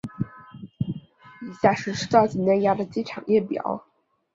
以下是赤道畿内亚的机场列表。